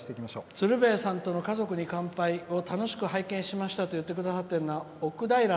「鶴瓶さんとの「家族に乾杯」を楽しく拝見しました」と言ってくださっているのはおくだいら